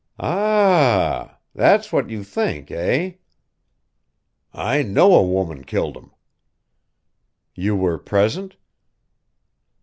"Aa a ah! That's what you think, eh?" "I know a woman killed him." "You were present?"